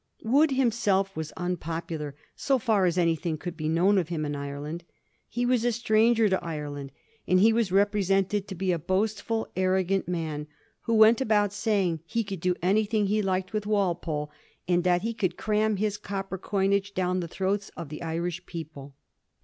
Wood himself was unpopular, so far as anything could be known of him, in Ireland. He was a stranger to Ireland, and he was represented to be a boastful, arrogant man, who went about saying he could do anything he liked with Walpole, and that he would cram his copper coins down the throats of tjie Irish people.